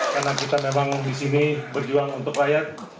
karena kita memang disini berjuang untuk rakyat